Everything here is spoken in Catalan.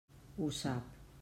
Ho sap.